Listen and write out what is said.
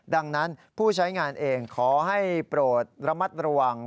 ดังนั้นผู้ใช้งานเองขอให้โปรดระมัดระวัง